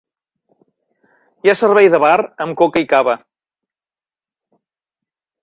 Hi ha servei de bar amb coca i cava.